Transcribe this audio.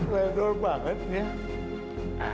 ledor banget ya